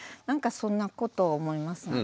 なんかそんなことを思います。